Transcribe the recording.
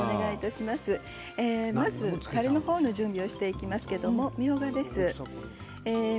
まず、たれの準備をしていきますけれどもみょうがです。